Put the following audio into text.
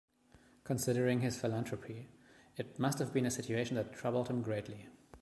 Considering his philanthropy, it must have been a situation that troubled him greatly.